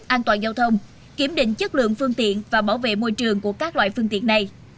an toàn giao thông kiểm định chất lượng phương tiện và bảo vệ môi trường của các loại phương tiện này